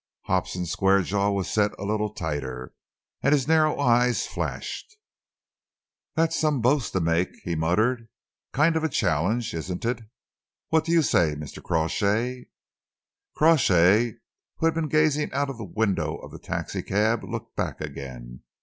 Hobson's square jaw was set a little tighter, and his narrow eyes flashed. "That's some boast to make," he muttered. "Kind of a challenge, isn't it? What do you say, Mr. Crawshay?" Crawshay, who had been gazing out of the window of the taxicab, looked back again.